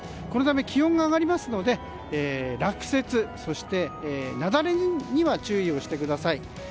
このため気温が上がりますので落雪、雪崩に注意をしてください。